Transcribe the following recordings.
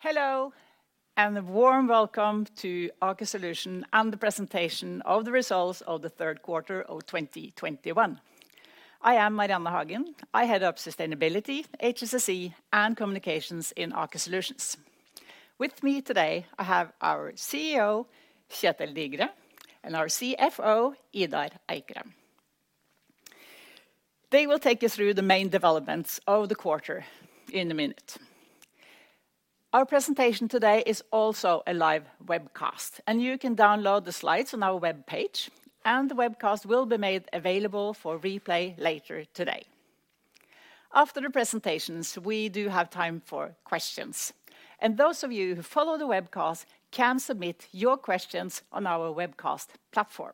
Hello, and a warm welcome to Aker Solutions and the presentation of the results of the Q3 of 2021. I am Marianne Hagen. I head up Sustainability, HSSE, and Communications in Aker Solutions. With me today, I have our CEO, Kjetil Digre, and our CFO, Idar Eikrem. They will take you through the main developments of the quarter in a minute. Our presentation today is also a live webcast, and you can download the slides on our webpage, and the webcast will be made available for replay later today. After the presentations, we do have time for questions, and those of you who follow the webcast can submit your questions on our webcast platform.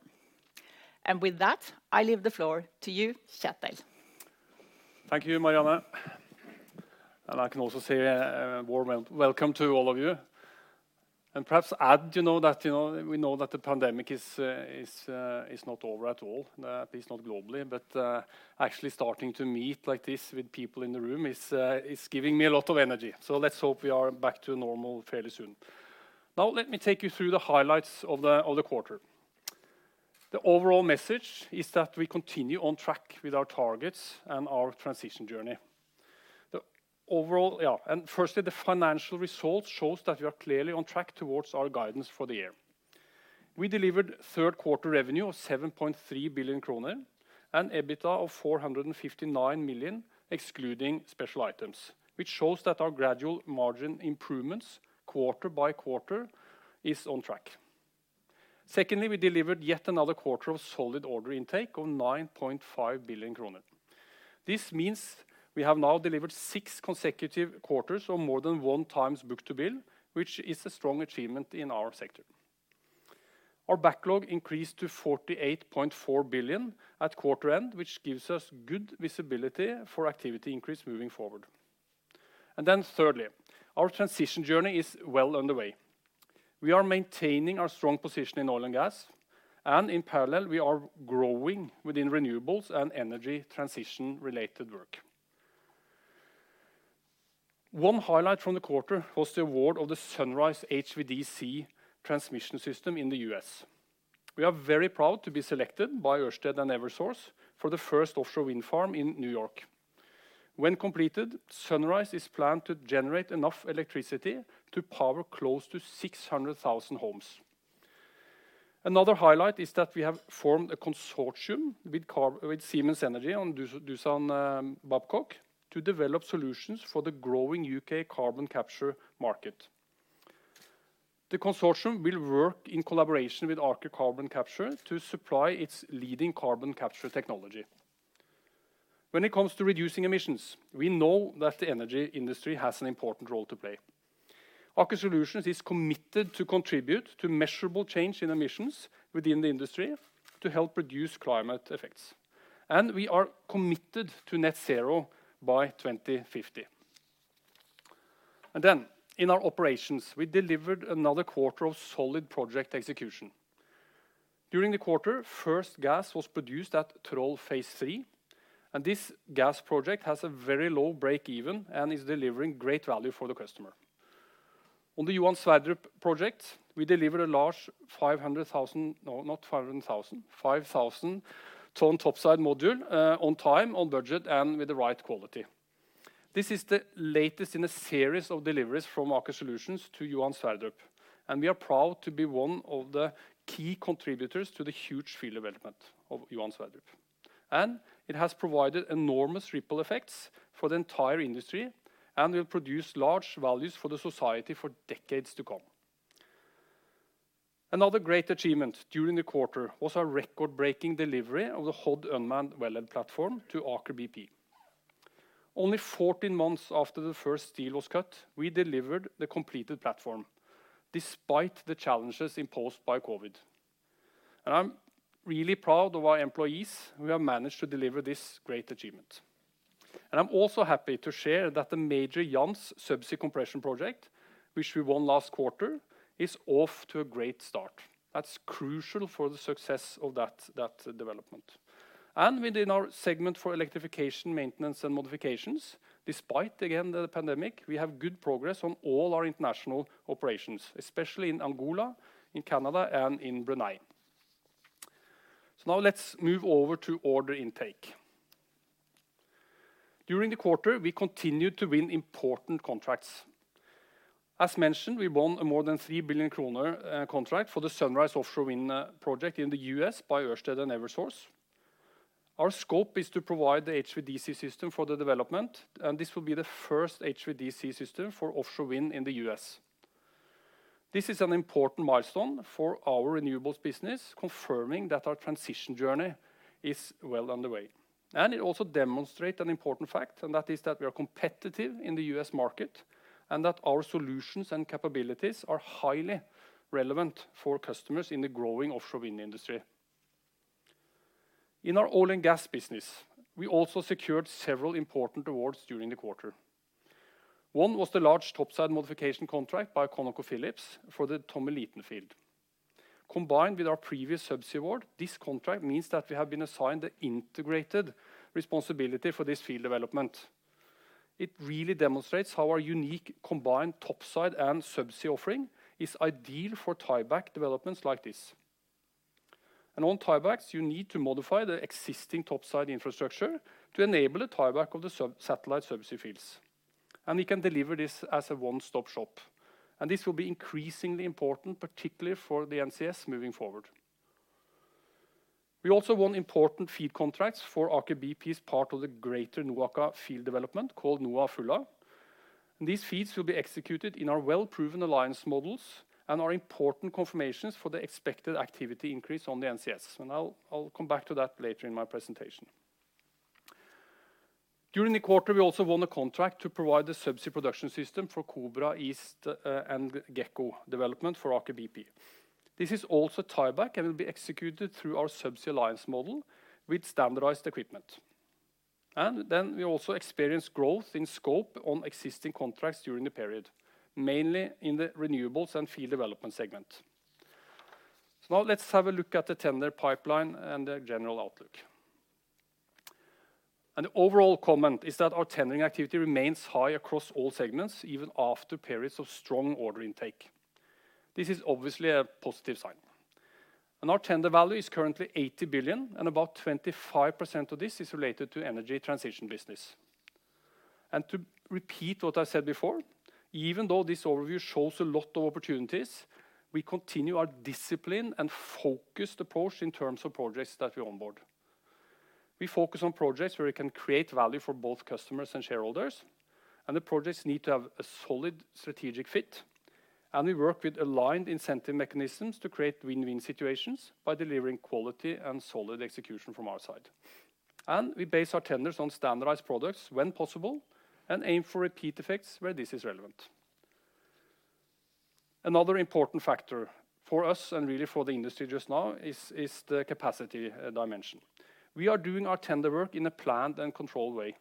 With that, I leave the floor to you, Kjetil. Thank you, Marianne. I can also say a warm welcome to all of you and perhaps add that we know that the pandemic is not over at all, at least not globally. Actually starting to meet like this with people in the room is giving me a lot of energy. Let's hope we are back to normal fairly soon. Now, let me take you through the highlights of the quarter. The overall message is that we continue on track with our targets and our transition journey. Firstly, the financial results shows that we are clearly on track towards our guidance for the year. We delivered Q3 revenue of 7.3 billion kroner and EBITDA of 459 million, excluding special items, which shows that our gradual margin improvements quarter by quarter is on track. Secondly, we delivered yet another quarter of solid order intake of 9.5 billion kroner. This means we have now delivered six consecutive quarters of more than 1x book-to-bill, which is a strong achievement in our sector. Our backlog increased to 48.4 billion at quarter end, which gives us good visibility for activity increase moving forward. Thirdly, our transition journey is well underway. We are maintaining our strong position in oil and gas, and in parallel, we are growing within renewables and energy transition-related work. One highlight from the quarter was the award of the Sunrise HVDC transmission system in the U.S. We are very proud to be selected by Ørsted and Eversource for the first offshore wind farm in New York. When completed, Sunrise is planned to generate enough electricity to power close to 600,000 homes. Another highlight is that we have formed a consortium with Siemens Energy and Doosan Babcock to develop solutions for the growing U.K. carbon capture market. The consortium will work in collaboration with Aker Carbon Capture to supply its leading carbon capture technology. When it comes to reducing emissions, we know that the energy industry has an important role to play. Aker Solutions is committed to contribute to measurable change in emissions within the industry to help reduce climate effects, and we are committed to net zero by 2050. In our operations, we delivered another quarter of solid project execution. During the quarter, first gas was produced at Troll Phase III, and this gas project has a very low break even and is delivering great value for the customer. On the Johan Sverdrup project, we delivered a large 5,000-ton topside module, on time, on budget, and with the right quality. This is the latest in a series of deliveries from Aker Solutions to Johan Sverdrup, and we are proud to be one of the key contributors to the huge field development of Johan Sverdrup. It has provided enormous ripple effects for the entire industry and will produce large values for the society for decades to come. Another great achievement during the quarter was our record-breaking delivery of the Hod unmanned wellhead platform to Aker BP. Only 14 months after the first steel was cut, we delivered the completed platform, despite the challenges imposed by COVID. I'm really proud of our employees. We have managed to deliver this great achievement. I'm also happy to share that the major Jansz-Io subsea compression project, which we won last quarter, is off to a great start. That's crucial for the success of that development. Within our segment for electrification, maintenance, and modifications, despite again the pandemic, we have good progress on all our international operations, especially in Angola, in Canada, and in Brunei. Now let's move over to order intake. During the quarter, we continued to win important contracts. As mentioned, we won a more than 3 billion kroner contract for the Sunrise Wind project in the U.S. by Ørsted and Eversource. Our scope is to provide the HVDC system for the development, and this will be the first HVDC system for offshore wind in the U.S. This is an important milestone for our renewables business, confirming that our transition journey is well underway. It also demonstrate an important fact, and that is that we are competitive in the U.S. market and that our solutions and capabilities are highly relevant for customers in the growing offshore wind industry. In our oil and gas business, we also secured several important awards during the quarter. One was the large topside modification contract by ConocoPhillips for the Tommeliten field. Combined with our previous subsea award, this contract means that we have been assigned the integrated responsibility for this field development. It really demonstrates how our unique combined topside and subsea offering is ideal for tieback developments like this. On tiebacks, you need to modify the existing topside infrastructure to enable a tieback of the satellite subsea fields, and we can deliver this as a one-stop shop. This will be increasingly important, particularly for the NCS moving forward. We also won important FEED contracts for Aker BP's part of the greater NOAKA field development called NOA Fulla, and these FEEDs will be executed in our well-proven alliance models and are important confirmations for the expected activity increase on the NCS. I'll come back to that later in my presentation. During the quarter, we also won a contract to provide the subsea production system for Kobra East and Gekko development for Aker BP. This is also tieback and will be executed through our subsea alliance model with standardized equipment. We also experienced growth in scope on existing contracts during the period, mainly in the renewables and field development segment. Now let's have a look at the tender pipeline and the general outlook. The overall comment is that our tendering activity remains high across all segments, even after periods of strong order intake. This is obviously a positive sign. Our tender value is currently 80 billion and about 25% of this is related to energy transition business. To repeat what I said before, even though this overview shows a lot of opportunities, we continue our discipline and focused approach in terms of projects that we onboard. We focus on projects where we can create value for both customers and shareholders, and the projects need to have a solid strategic fit, and we work with aligned incentive mechanisms to create win-win situations by delivering quality and solid execution from our side. We base our tenders on standardized products when possible and aim for repeat effects where this is relevant. Another important factor for us and really for the industry just now is the capacity dimension. We are doing our tender work in a planned and controlled way.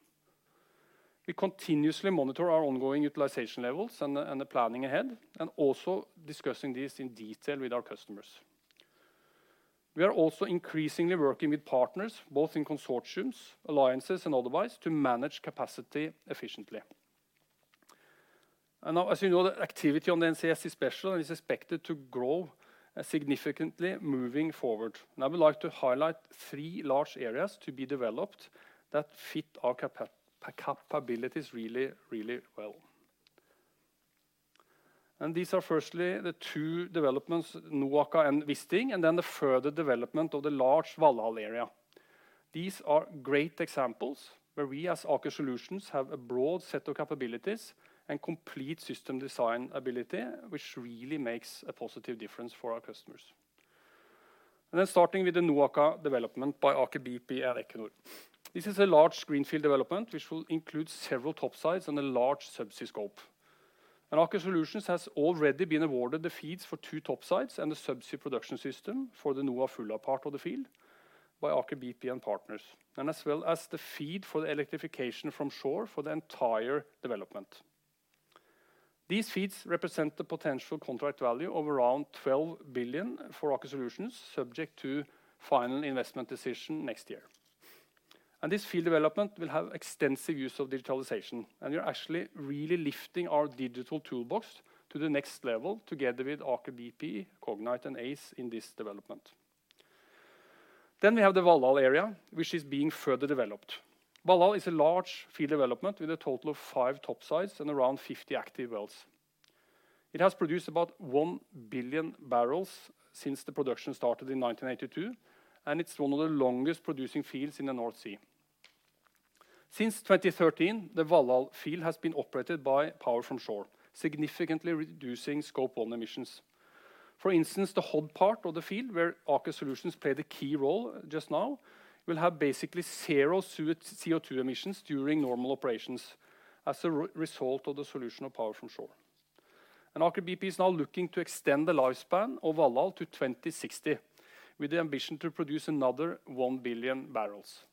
We continuously monitor our ongoing utilization levels and the planning ahead and also discussing this in detail with our customers. We are also increasingly working with partners, both in consortiums, alliances and otherwise, to manage capacity efficiently. Now as you know, the activity on the NCS is special and is expected to grow significantly moving forward. Now we like to highlight three large areas to be developed that fit our capabilities really well. These are firstly the two developments, NOAKA and Wisting, and then the further development of the large Valhall area. These are great examples where we as Aker Solutions have a broad set of capabilities and complete system design ability, which really makes a positive difference for our customers. Then starting with the NOAKA development by Aker BP and Equinor. This is a large greenfield development which will include several topsides and a large subsea scope. Aker Solutions has already been awarded the FEEDs for 2 topsides and the subsea production system for the NOAKA Fulla part of the field by Aker BP and partners, as well as the FEED for the electrification from shore for the entire development. These FEEDs represent the potential contract value of around 12 billion for Aker Solutions, subject to final investment decision next year. This field development will have extensive use of digitalization, and we are actually really lifting our digital toolbox to the next level together with Aker BP, Cognite and ACE in this development. We have the Valhall area, which is being further developed. Valhall is a large field development with a total of 5 topsides and around 50 active wells. It has produced about 1 billion barrels since the production started in 1982, and it's one of the longest producing fields in the North Sea. Since 2013, the Valhall field has been operated by power from shore, significantly reducing scope 1 emissions. For instance, the Hod part of the field, where Aker Solutions play the key role just now, will have basically zero CO2 emissions during normal operations as a result of the solution of power from shore. Aker BP is now looking to extend the lifespan of Valhall to 2060 with the ambition to produce another 1 billion barrels.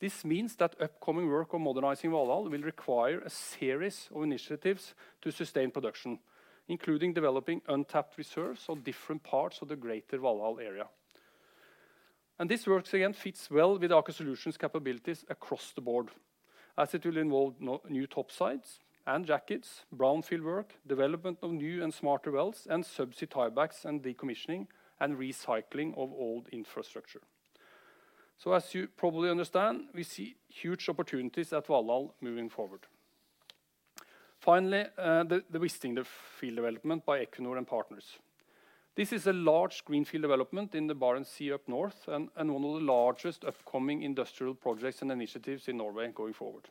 This means that upcoming work on modernizing Valhall will require a series of initiatives to sustain production, including developing untapped reserves on different parts of the greater Valhall area. This once again fits well with Aker Solutions capabilities across the board, as it will involve no new topsides and jackets, brownfield work, development of new and smarter wells, and subsea tiebacks and decommissioning and recycling of old infrastructure. As you probably understand, we see huge opportunities at Valhall moving forward. Finally, the Wisting field development by Equinor and partners. This is a large greenfield development in the Barents Sea up north and one of the largest upcoming industrial projects and initiatives in Norway going forward.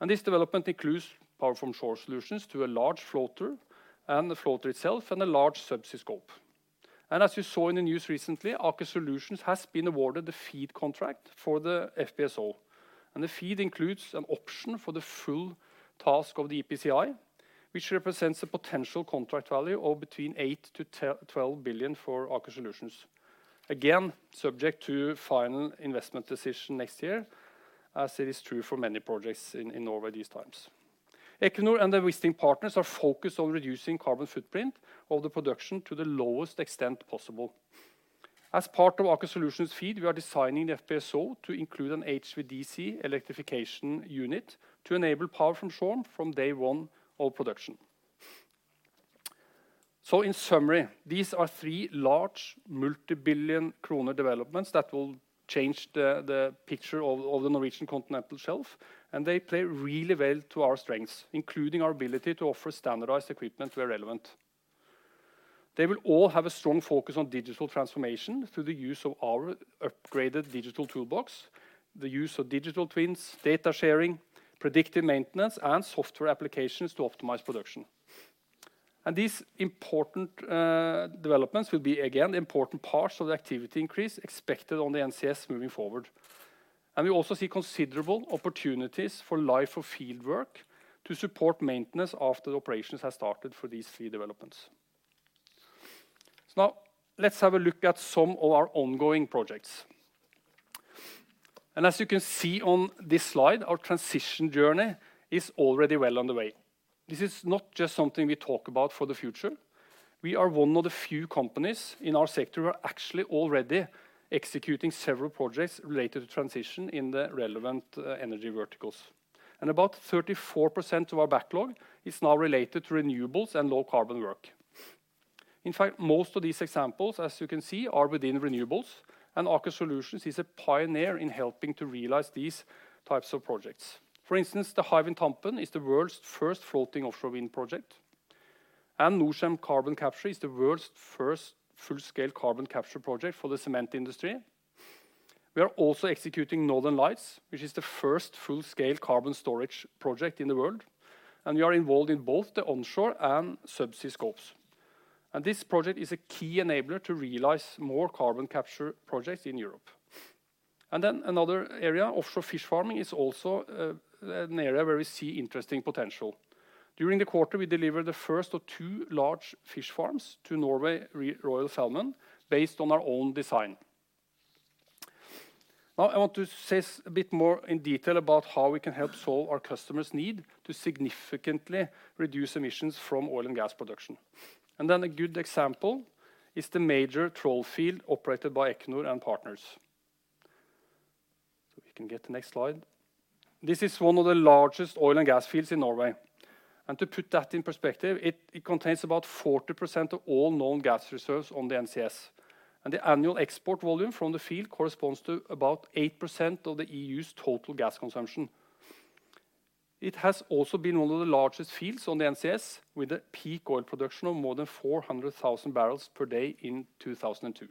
This development includes power from shore solutions to a large floater and the floater itself and a large subsea scope. As you saw in the news recently, Aker Solutions has been awarded the FEED contract for the FPSO. The FEED includes an option for the full task of the EPCI, which represents a potential contract value of between 8 billion-12 billion for Aker Solutions. Again, subject to final investment decision next year, as it is true for many projects in Norway these times. Equinor and the existing partners are focused on reducing carbon footprint of the production to the lowest extent possible. As part of Aker Solutions FEED, we are designing the FPSO to include an HVDC electrification unit to enable power from shore from day one of production. In summary, these are three large multi-billion NOK developments that will change the picture of the Norwegian Continental Shelf, and they play really well to our strengths, including our ability to offer standardized equipment where relevant. They will all have a strong focus on digital transformation through the use of our upgraded digital toolbox, the use of digital twins, data sharing, predictive maintenance, and software applications to optimize production. These important developments will be again important parts of the activity increase expected on the NCS moving forward. We also see considerable opportunities for life of field work to support maintenance after operations have started for these three developments. Now let's have a look at some of our ongoing projects. As you can see on this slide, our transition journey is already well underway. This is not just something we talk about for the future. We are one of the few companies in our sector who are actually already executing several projects related to transition in the relevant energy verticals. About 34% of our backlog is now related to renewables and low carbon work. In fact, most of these examples, as you can see, are within renewables, and Aker Solutions is a pioneer in helping to realize these types of projects. For instance, the Hywind Tampen is the world's first floating offshore wind project, and Norcem Carbon Capture is the world's first full-scale carbon capture project for the cement industry. We are also executing Northern Lights, which is the first full-scale carbon storage project in the world, and we are involved in both the onshore and subsea scopes. This project is a key enabler to realize more carbon capture projects in Europe. Then another area, offshore fish farming, is also an area where we see interesting potential. During the quarter, we delivered the first of two large fish farms to Norway Royal Salmon based on our own design. Now, I want to say a bit more in detail about how we can help solve our customers' need to significantly reduce emissions from oil and gas production. Then a good example is the major Troll field operated by Equinor and partners. If we can get the next slide. This is one of the largest oil and gas fields in Norway. To put that in perspective, it contains about 40% of all known gas reserves on the NCS, and the annual export volume from the field corresponds to about 8% of the EU's total gas consumption. It has also been one of the largest fields on the NCS, with a peak oil production of more than 400,000 barrels per day in 2002.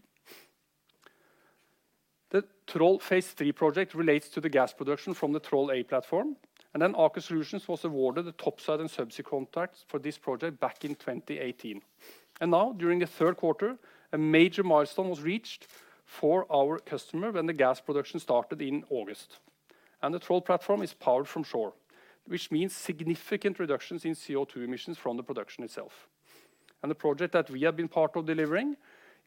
The Troll Phase III project relates to the gas production from the Troll A platform, and then Aker Solutions was awarded the topside and subsea contracts for this project back in 2018. Now, during the Q3, a major milestone was reached for our customer when the gas production started in August. The Troll platform is powered from shore, which means significant reductions in CO2 emissions from the production itself. The project that we have been part of delivering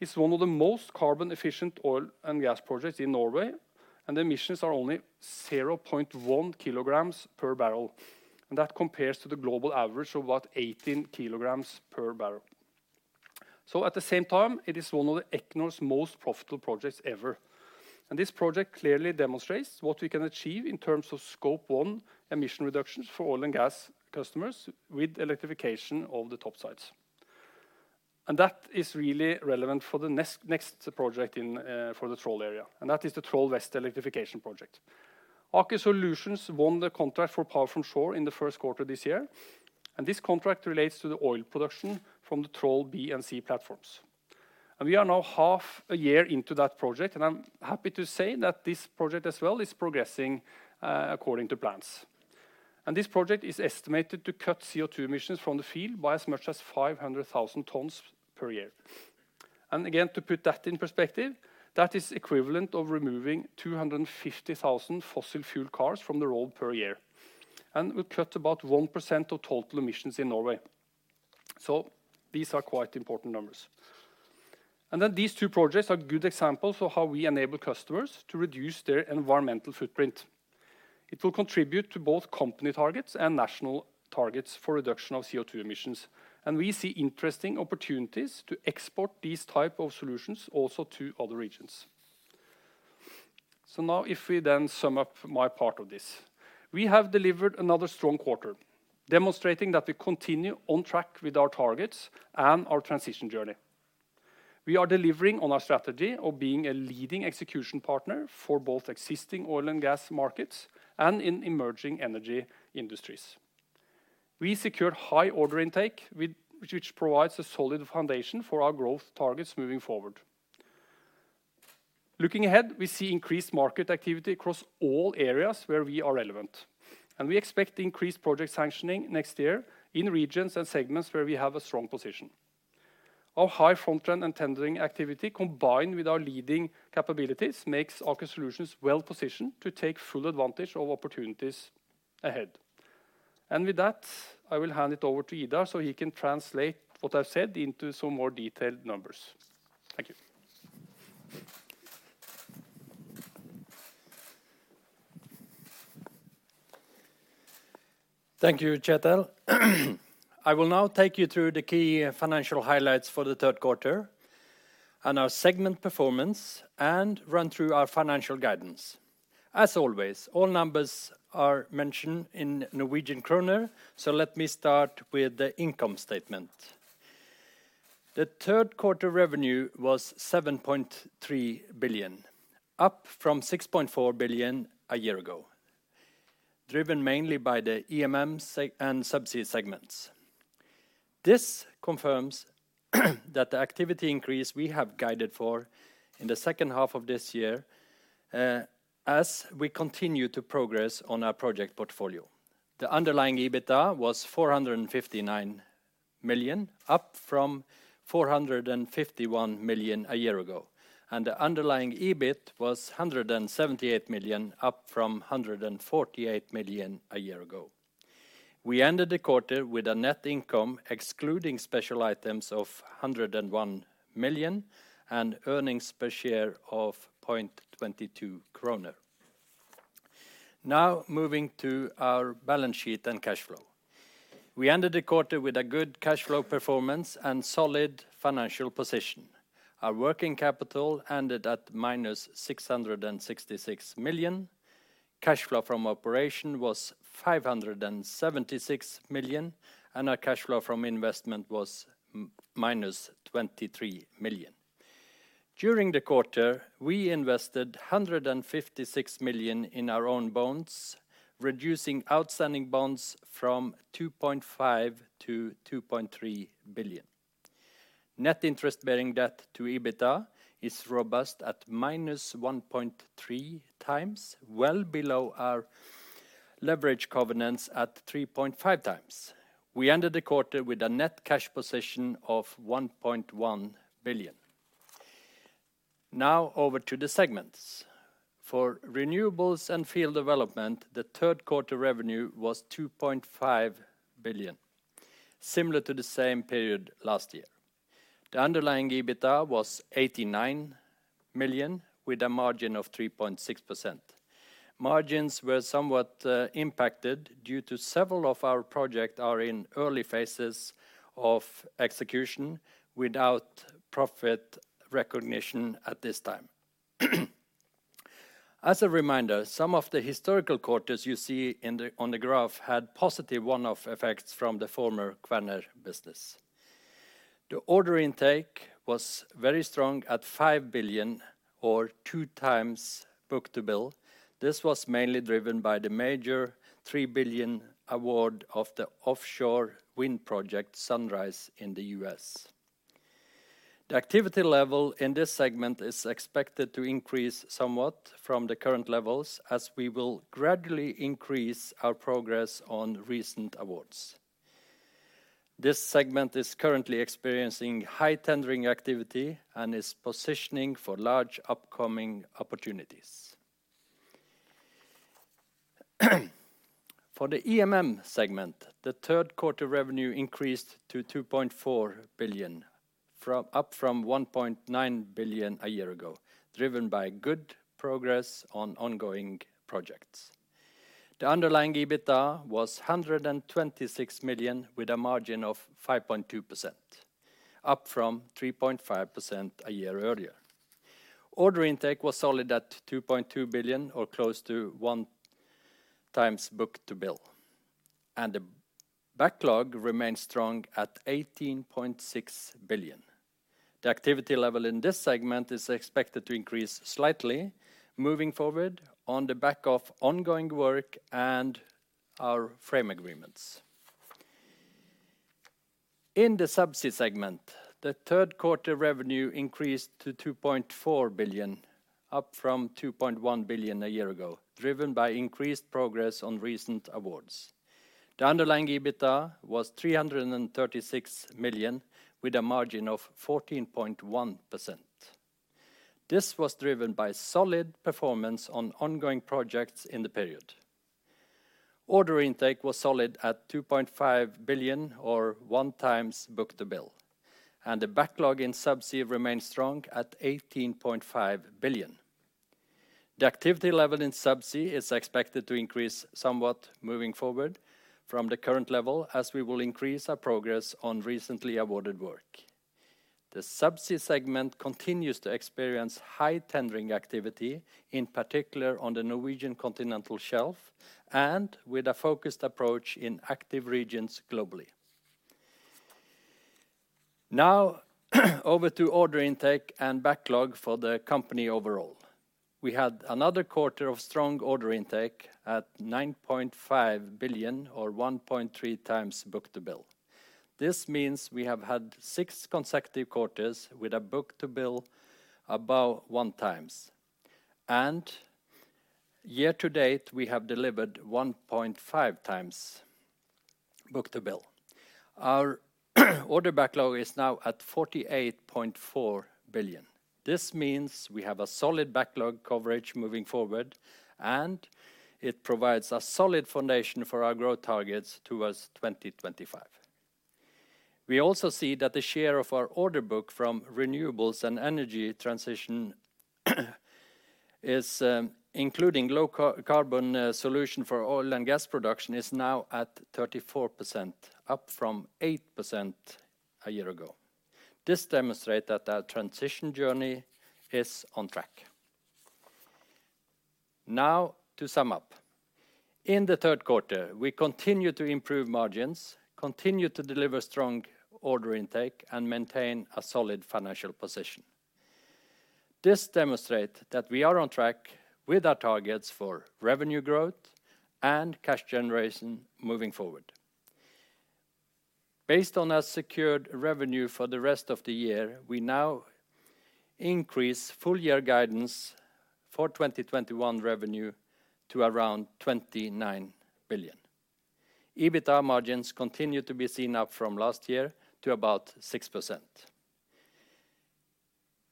is one of the most carbon efficient oil and gas projects in Norway, and the emissions are only 0.1 kilograms per barrel. That compares to the global average of about 18 kilograms per barrel. At the same time, it is one of Equinor's most profitable projects ever. This project clearly demonstrates what we can achieve in terms of scope one emission reductions for oil and gas customers with electrification of the topsides. That is really relevant for the next project in for the Troll area, and that is the Troll West Electrification project. Aker Solutions won the contract for power from shore in the Q1 this year, and this contract relates to the oil production from the Troll B and C platforms. We are now half a year into that project, and I'm happy to say that this project as well is progressing according to plans. This project is estimated to cut CO2 emissions from the field by as much as 500,000 tons per year. Again, to put that in perspective, that is equivalent of removing 250,000 fossil fuel cars from the road per year, and it will cut about 1% of total emissions in Norway. These are quite important numbers. Then these two projects are good examples of how we enable customers to reduce their environmental footprint. It will contribute to both company targets and national targets for reduction of CO2 emissions. We see interesting opportunities to export these type of solutions also to other regions. Now if we then sum up my part of this. We have delivered another strong quarter, demonstrating that we continue on track with our targets and our transition journey. We are delivering on our strategy of being a leading execution partner for both existing oil and gas markets and in emerging energy industries. We secured high order intake which provides a solid foundation for our growth targets moving forward. Looking ahead, we see increased market activity across all areas where we are relevant, and we expect increased project sanctioning next year in regions and segments where we have a strong position. Our high front end and tendering activity, combined with our leading capabilities, makes Aker Solutions well positioned to take full advantage of opportunities ahead. With that, I will hand it over to Idar so he can translate what I've said into some more detailed numbers. Thank you. Thank you, Kjetil. I will now take you through the key financial highlights for the Q3 and our segment performance, and run through our financial guidance. As always, all numbers are mentioned in Norwegian kroner, so let me start with the income statement. The Q3 revenue was 7.3 billion, up from 6.4 billion a year ago, driven mainly by the EMM and Subsea segments. This confirms that the activity increase we have guided for in the H2 of this year, as we continue to progress on our project portfolio. The underlying EBITDA was 459 million, up from 451 million a year ago, and the underlying EBIT was 178 million, up from 148 million a year ago. We ended the quarter with a net income excluding special items of 101 million and earnings per share of 0.22 kroner. Now moving to our balance sheet and cash flow. We ended the quarter with a good cash flow performance and solid financial position. Our working capital ended at -666 million, cash flow from operation was 576 million, and our cash flow from investment was minus 23 million. During the quarter, we invested 156 million in our own bonds, reducing outstanding bonds from 2.5 billion to 2.3 billion. Net interest-bearing debt to EBITDA is robust at -1.3x, well below our leverage covenants at 3.5x. We ended the quarter with a net cash position of 1.1 billion. Now over to the segments. For renewables and field development, the Q3 revenue was 2.5 billion, similar to the same period last year. The underlying EBITDA was 89 million with a margin of 3.6%. Margins were somewhat impacted due to several of our projects are in early phases of execution without profit recognition at this time. As a reminder, some of the historical quarters you see on the graph had positive one-off effects from the former Kværner business. The order intake was very strong at 5 billion or 2x book-to-bill. This was mainly driven by the major 3 billion award of the offshore wind project Sunrise Wind in the U.S. The activity level in this segment is expected to increase somewhat from the current levels as we will gradually increase our progress on recent awards. This segment is currently experiencing high tendering activity and is positioning for large upcoming opportunities. For the EMM segment, the Q3 revenue increased to 2.4 billion up from 1.9 billion a year ago, driven by good progress on ongoing projects. The underlying EBITDA was 126 million with a margin of 5.2%, up from 3.5% a year earlier. Order intake was solid at 2.2 billion or close to 1 times book-to-bill. The backlog remains strong at 18.6 billion. The activity level in this segment is expected to increase slightly moving forward on the back of ongoing work and our frame agreements. In the Subsea segment, the Q3 revenue increased to 2.4 billion, up from 2.1 billion a year ago, driven by increased progress on recent awards. The underlying EBITDA was 336 million with a margin of 14.1%. This was driven by solid performance on ongoing projects in the period. Order intake was solid at 2.5 billion or 1 times book-to-bill, and the backlog in Subsea remains strong at 18.5 billion. The activity level in Subsea is expected to increase somewhat moving forward from the current level, as we will increase our progress on recently awarded work. The Subsea segment continues to experience high tendering activity, in particular on the Norwegian Continental Shelf and with a focused approach in active regions globally. Now over to order intake and backlog for the company overall. We had another quarter of strong order intake at 9.5 billion or 1.3 times book-to-bill. This means we have had six consecutive quarters with a book-to-bill above one times. Year to date, we have delivered 1.5 times book-to-bill. Our order backlog is now at 48.4 billion. This means we have a solid backlog coverage moving forward, and it provides a solid foundation for our growth targets towards 2025. We also see that the share of our order book from renewables and energy transition is, including low-carbon solutions for oil and gas production, now at 34%, up from 8% a year ago. This demonstrate that our transition journey is on track. Now to sum up. In the Q3, we continue to improve margins, continue to deliver strong order intake, and maintain a solid financial position. This demonstrate that we are on track with our targets for revenue growth and cash generation moving forward. Based on our secured revenue for the rest of the year, we now increase full-year guidance for 2021 revenue to around 29 billion. EBITDA margins continue to be up from last year to about 6%.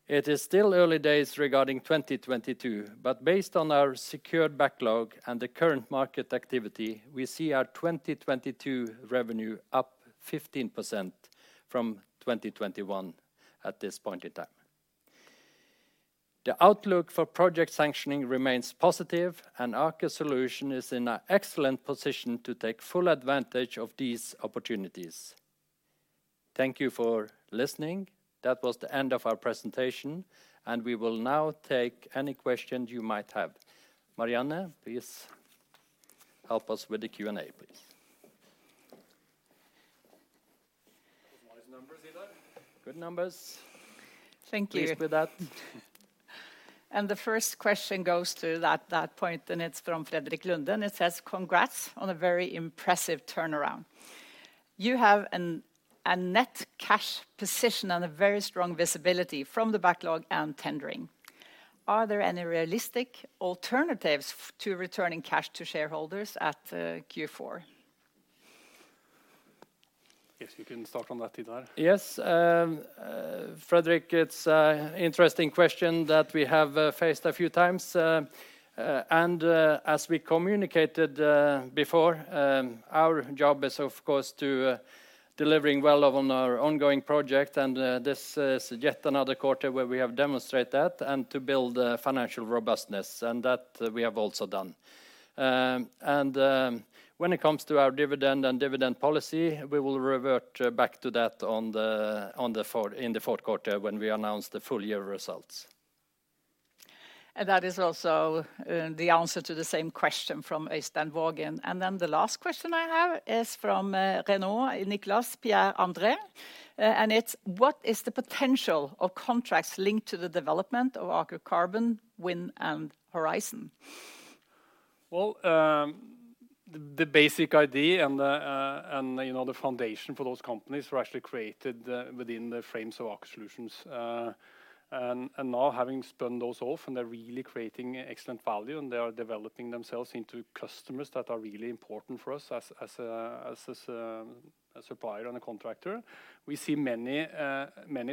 It is still early days regarding 2022, but based on our secured backlog and the current market activity, we see our 2022 revenue up 15% from 2021 at this point in time. The outlook for project sanctioning remains positive, and Aker Solutions is in an excellent position to take full advantage of these opportunities. Thank you for listening. That was the end of our presentation, and we will now take any questions you might have. Marianne, please help us with the Q&A, please. Nice numbers, Idar. Good numbers. Thank you. Pleased with that. The first question goes to that point, and it's from Fredrik Lunden. It says, "Congrats on a very impressive turnaround. You have a net cash position and a very strong visibility from the backlog and tendering. Are there any realistic alternatives to returning cash to shareholders at Q4? Guess you can start on that, Idar. Yes, Fredrik, it's a interesting question that we have faced a few times. As we communicated before, our job is of course to delivering well on our ongoing project, and this is yet another quarter where we have demonstrate that, and to build financial robustness, and that we have also done. When it comes to our dividend and dividend policy, we will revert back to that in the Q4 when we announce the full year results. That is also the answer to the same question from Øystein Waagen. The last question I have is from Renault, Nicolas Pierandrei, and it's, "What is the potential of contracts linked to the development of Aker Carbon Capture, Aker Offshore Wind, and Aker Horizons? Well, the basic idea and the foundation for those companies were actually created within the frames of Aker Solutions. Now having spun those off, and they're really creating excellent value, and they are developing themselves into customers that are really important for us as a supplier and a contractor. We see many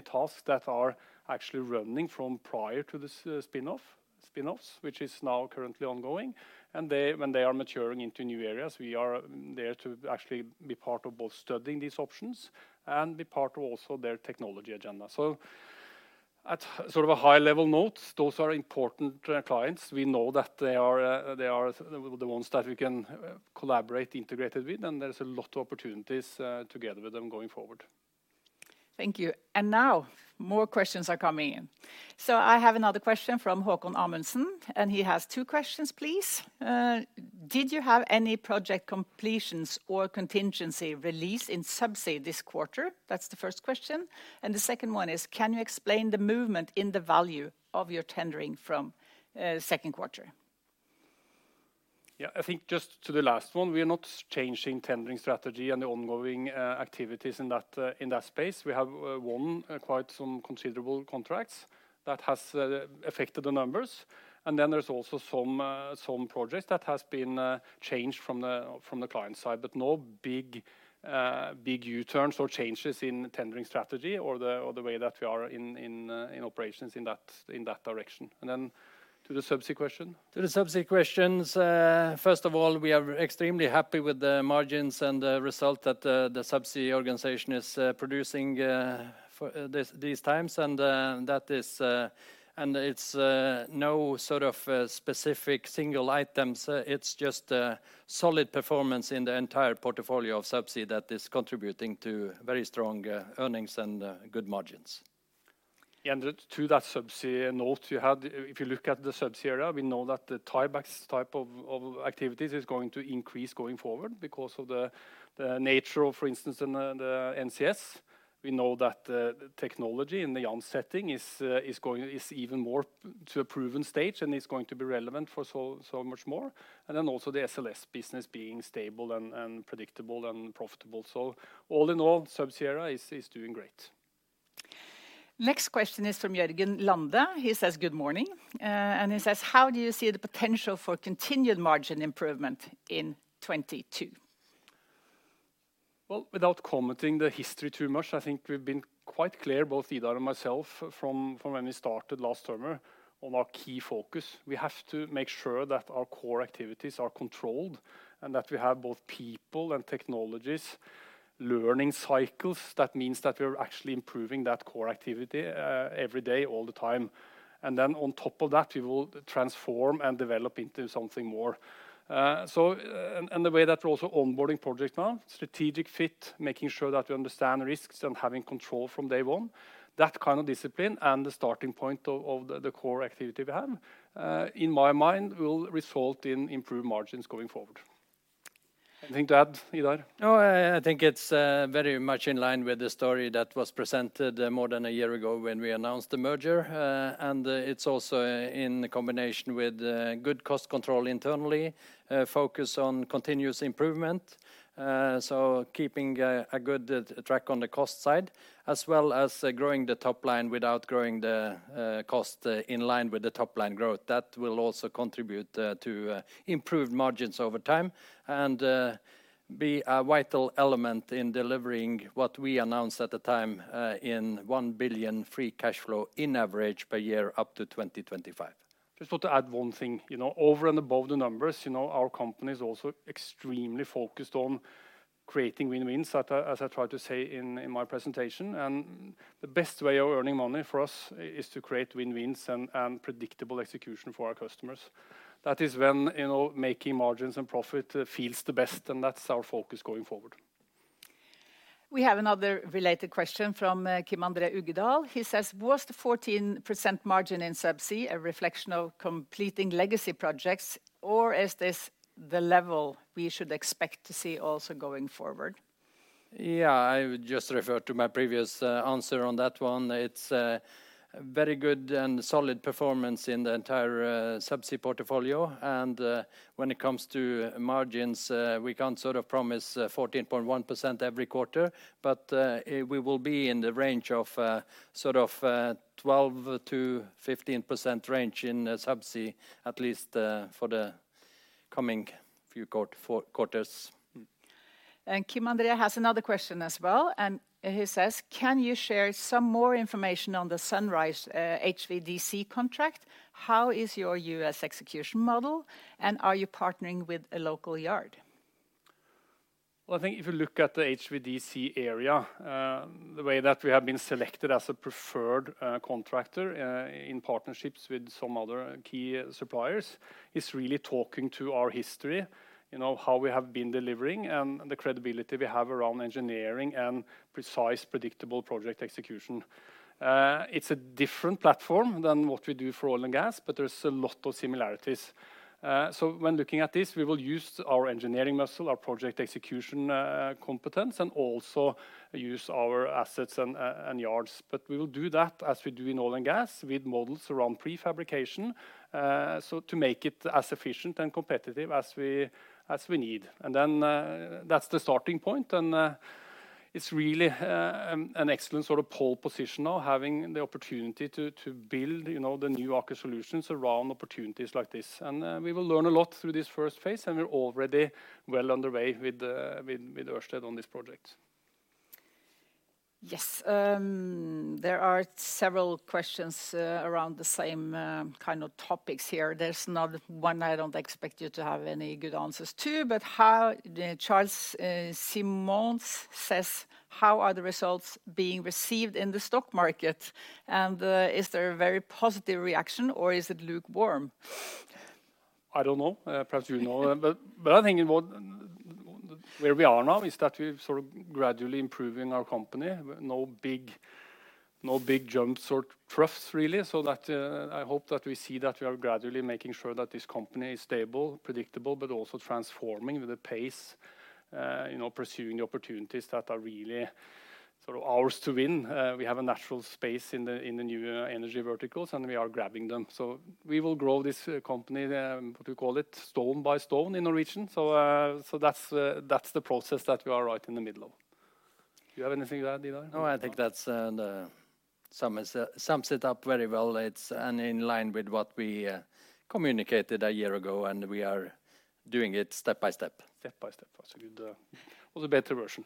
tasks that are actually running from prior to the spin-offs, which is now currently ongoing. They, when they are maturing into new areas, we are there to actually be part of both studying these options and be part of also their technology agenda. At sort of a high level notes, those are important clients. We know that they are the ones that we can collaborate integrated with, and there's a lot of opportunities together with them going forward. Thank you. Now more questions are coming in. I have another question from Haakon Amundsen, and he has two questions, please. "Did you have any project completions or contingency release in Subsea this quarter?" That's the first question. The second one is, "Can you explain the movement in the value of your tendering from Q2? Yeah, I think just to the last one, we are not changing tendering strategy and the ongoing activities in that space. We have won quite some considerable contracts that has affected the numbers. There's also some projects that has been changed from the client side. No big U-turns or changes in tendering strategy or the way that we are in operations in that direction. To the Subsea question? To the Subsea questions, first of all, we are extremely happy with the margins and the result that the Subsea organization is producing for these times. That is, it's no sort of specific single items. It's just a solid performance in the entire portfolio of Subsea that is contributing to very strong earnings and good margins. To that Subsea note you had, if you look at the Subsea area, we know that the tiebacks type of activities is going to increase going forward because of the nature of, for instance, in the NCS. We know that technology in the young setting is going even more to a proven stage, and it's going to be relevant for so much more. Then also the SLS business being stable and predictable and profitable. All in all, Subsea area is doing great. Next question is from Jørgen Lande. He says, "Good morning." And he says, "How do you see the potential for continued margin improvement in 2022? Well, without commenting on the history too much, I think we've been quite clear, both Idar and myself, from when we started last summer on our key focus. We have to make sure that our core activities are controlled and that we have both people and technologies, learning cycles, that means that we are actually improving that core activity every day, all the time. Then on top of that, we will transform and develop into something more. The way that we're also onboarding projects now, strategic fit, making sure that we understand risks and having control from day one, that kind of discipline and the starting point of the core activity we have, in my mind will result in improved margins going forward. Anything to add, Idar? No, I think it's very much in line with the story that was presented more than a year ago when we announced the merger. It's also in combination with good cost control internally, focus on continuous improvement, so keeping a good track on the cost side as well as growing the top line without growing the cost in line with the top line growth. That will also contribute to improved margins over time and be a vital element in delivering what we announced at the time, in 1 billion free cash flow on average per year up to 2025. just want to add one thing. You know, over and above the numbers our company is also extremely focused on creating win-wins, as I tried to say in my presentation. The best way of earning money for us is to create win-wins and predictable execution for our customers. That is when making margins and profit feels the best, and that's our focus going forward. We have another related question from Kim André Uggedal. He says, "Was the 14% margin in Subsea a reflection of completing legacy projects, or is this the level we should expect to see also going forward? Yeah, I would just refer to my previous answer on that one. It's a very good and solid performance in the entire Subsea portfolio, and when it comes to margins, we can't sort of promise 14.1% every quarter, but we will be in the range of sort of 12%-15% range in Subsea, at least for the coming few four quarters. Kim André has another question as well, and he says, "Can you share some more information on the Sunrise Wind, HVDC contract? How is your U.S. execution model, and are you partnering with a local yard? Well, I think if you look at the HVDC area, the way that we have been selected as a preferred contractor in partnerships with some other key suppliers, is really talking to our history how we have been delivering and the credibility we have around engineering and precise, predictable project execution. It's a different platform than what we do for oil and gas, but there's a lot of similarities. When looking at this, we will use our engineering muscle, our project execution competence, and also use our assets and yards. We will do that as we do in oil and gas with models around prefabrication, so to make it as efficient and competitive as we need. That's the starting point, and it's really an excellent sort of pole position now, having the opportunity to build the new Aker Solutions around opportunities like this. We will learn a lot through this Phase I, and we're already well underway with Ørsted on this project. Yes, there are several questions around the same kind of topics here. There's another one I don't expect you to have any good answers to, but Charles Simons says, "How are the results being received in the stock market? And, is there a very positive reaction or is it lukewarm? I don't know. Perhaps you know. I think where we are now is that we're sort of gradually improving our company. No big jumps or troughs really. I hope that we see that we are gradually making sure that this company is stable, predictable, but also transforming with the pace pursuing the opportunities that are really sort of ours to win. We have a natural space in the new energy verticals, and we are grabbing them. We will grow this company, what do you call it? Stone by stone in the region. That's the process that we are right in the middle of. Do you have anything to add, Idar? No, I think that's sums it up very well. In line with what we communicated a year ago, and we are doing it step by step. Step by step. That's a good or the better version.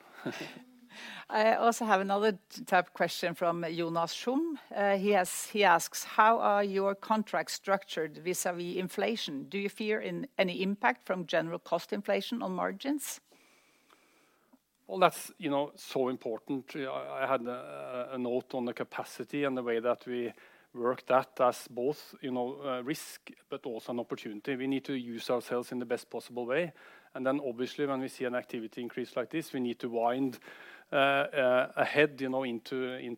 I also have another type of question from Jonas Shum. He asks, "How are your contracts structured vis-à-vis inflation? Do you foresee any impact from general cost inflation on margins? Well, that's so important. I had a note on the capacity and the way that we work that as both risk, but also an opportunity. We need to use ourselves in the best possible way. Then obviously, when we see an activity increase like this, we need to plan ahead into one-two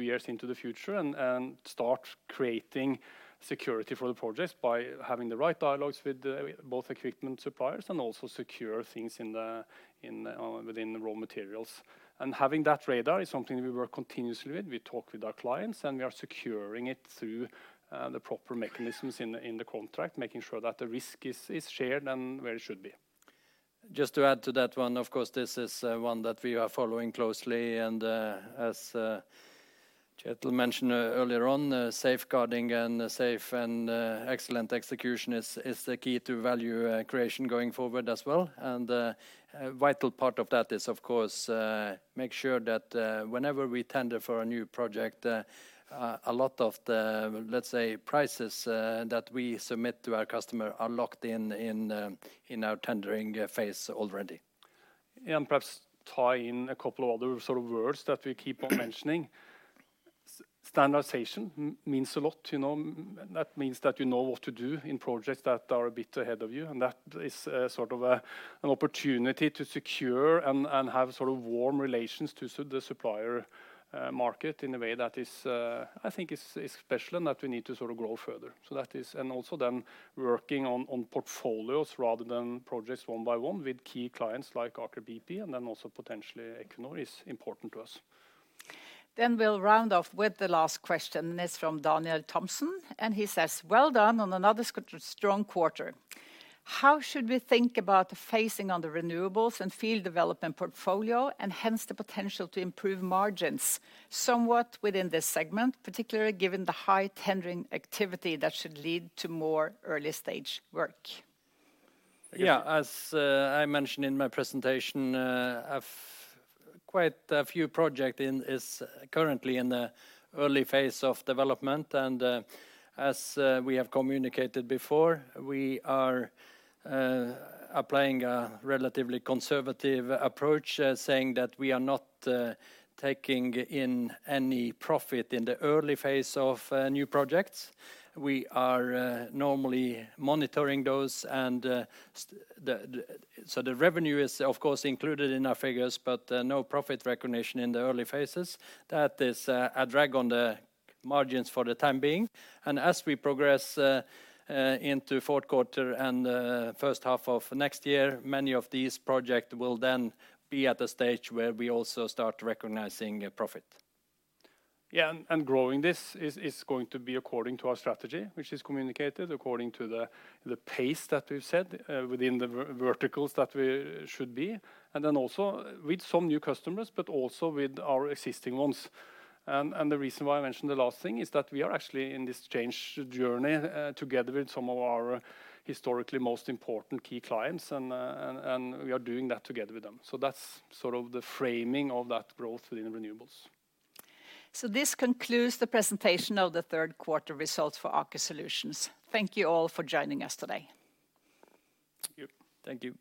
years into the future and start creating security for the projects by having the right dialogues with both equipment suppliers and also secure things in the within the raw materials. Having that radar is something we work continuously with. We talk with our clients, and we are securing it through the proper mechanisms in the contract, making sure that the risk is shared and where it should be. Just to add to that one, of course, this is one that we are following closely and, as Kjetil mentioned earlier on, safeguarding and safe and excellent execution is the key to value creation going forward as well. A vital part of that is of course make sure that whenever we tender for a new project, a lot of the, let's say, prices that we submit to our customer are locked in in our tendering phase already. Perhaps tie in a couple of other sort of words that we keep on mentioning. Standardization means a lot, you know. That means that you know what to do in projects that are a bit ahead of you, and that is sort of an opportunity to secure and have sort of warm relations to the supplier market in a way that is, I think is special and that we need to sort of grow further. So that is. Also then working on portfolios rather than projects one by one with key clients like Aker BP and then also potentially Equinor is important to us. We'll round off with the last question. It's from Daniel Thompson, and he says, "Well done on another strong quarter. How should we think about the phasing on the renewables and field development portfolio and hence the potential to improve margins somewhat within this segment, particularly given the high tendering activity that should lead to more early stage work? Yeah, as I mentioned in my presentation, quite a few projects are currently in the early phase of development. As we have communicated before, we are applying a relatively conservative approach, saying that we are not taking in any profit in the early phase of new projects. We are normally monitoring those and the revenue is of course included in our figures, but no profit recognition in the early phases. That is a drag on the margins for the time being. As we progress into Q4 and H1 of next year, many of these projects will then be at the stage where we also start recognizing profit. Growing this is going to be according to our strategy, which is communicated according to the pace that we've set within the verticals that we should be. Then also with some new customers, but also with our existing ones. The reason why I mentioned the last thing is that we are actually in this change journey together with some of our historically most important key clients. We are doing that together with them. That's sort of the framing of that growth within renewables. This concludes the presentation of the Q3 results for Aker Solutions. Thank you all for joining us today. Thank you.